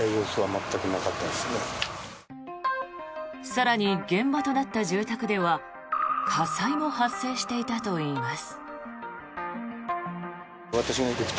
更に、現場となった住宅では火災も発生していたといいます。